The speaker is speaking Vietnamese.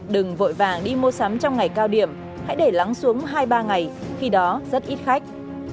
đừng vội vàng đi mua sắm trong ngày cao điểm hãy để lắng xuống hai ba ngày khi đó rất ít khách